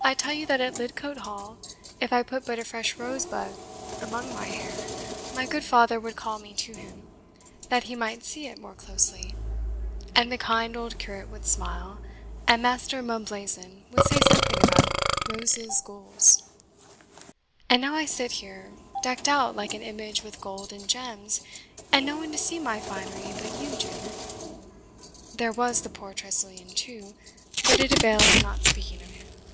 I tell you that at Lidcote Hall, if I put but a fresh rosebud among my hair, my good father would call me to him, that he might see it more closely; and the kind old curate would smile, and Master Mumblazen would say something about roses gules. And now I sit here, decked out like an image with gold and gems, and no one to see my finery but you, Janet. There was the poor Tressilian, too but it avails not speaking of him."